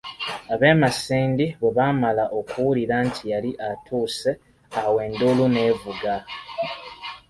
Ab'e masindi bwe baamala okuwulira nti yali atuuse awo enduulu n'evuga.